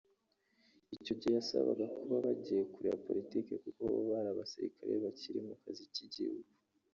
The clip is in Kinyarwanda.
Icyo gihe yabasabaga kuba bagiye kure ya politiki kuko bo ari abasirikare bakiri mu kazi k’igihugu